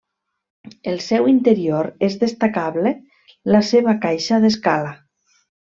El seu interior és destacable la seva caixa d'escala.